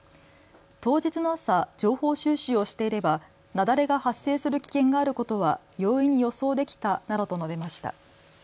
当日の朝、情報収集をしていれば雪崩が発生する危険があることは容易に予想できたなどと述べました。